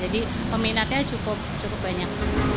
jadi peminatnya cukup banyak